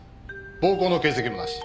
暴行の形跡もなし。